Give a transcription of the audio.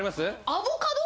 アボカド？